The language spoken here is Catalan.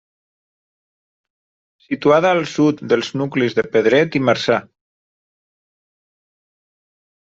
Situada al sud dels nuclis de Pedret i Marzà.